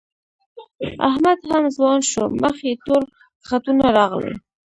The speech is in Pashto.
احمد هم ځوان شو، مخ یې تور خطونه راغلي